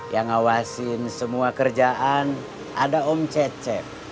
yang ngawasin semua kerjaan ada om cecep